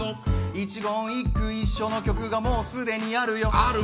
一言一句一緒の曲が既にあるよ。